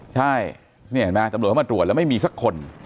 ใช่นี่เห็นไหมตำรวจเข้ามาตรวจแล้วไม่มีสักคน